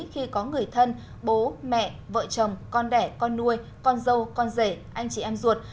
khi có người thân bố mẹ vợ chồng con đẻ con nuôi con dâu con rể anh chị em ruột